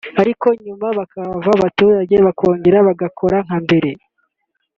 ariko nyuma bahava abaturage bakongera bagakora nka mbere